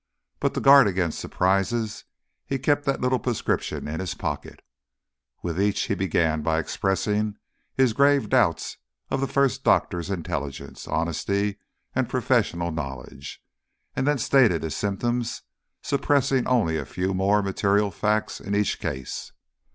But to guard against surprises he kept that little prescription in his pocket. With each he began by expressing his grave doubts of the first doctor's intelligence, honesty and professional knowledge, and then stated his symptoms, suppressing only a few more material facts in each case.